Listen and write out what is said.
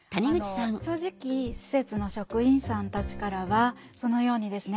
正直施設の職員さんたちからはそのようにですね